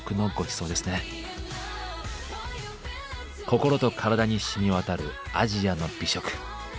心と体に染み渡るアジアの美食。